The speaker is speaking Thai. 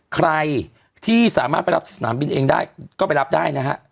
ใครที่สามารถไปรับสนามบินเองได้ก็ไปรับได้นะฮะ